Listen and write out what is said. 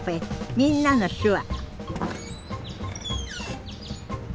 「みんなの手話」